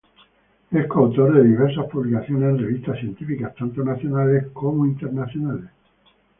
Es coautor de diversas publicaciones en revistas científicas, tanto nacionales como internacionales.